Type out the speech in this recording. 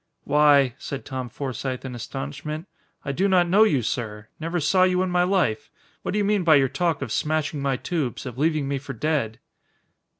"Why," said Tom Forsythe, in astonishment. "I do not know you, sir. Never saw you in my life. What do you mean by your talk of smashing my tubes, of leaving me for dead?"